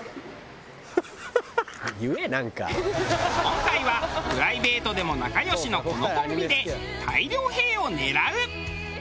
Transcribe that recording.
今回はプライベートでも仲良しのこのコンビで大量「へぇ」を狙う！